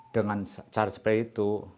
dengan cara seperti itu